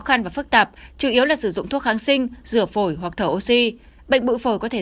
khăn và phức tạp chủ yếu là sử dụng thuốc kháng sinh rửa phổi hoặc thở oxy bệnh bưu phổi có thể